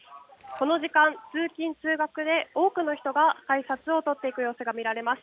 この時間、通勤・通学で多くの人が改札を通っていく様子が見られます。